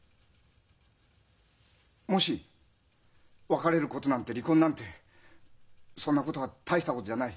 もし「別れることなんて離婚なんてそんなことは大したことじゃない。